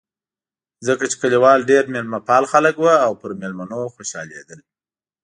ځکه چې کلیوال ډېر مېلمه پال خلک و او پر مېلمنو خوشحالېدل.